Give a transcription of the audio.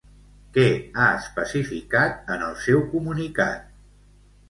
Què ha especificat en el seu comunicat?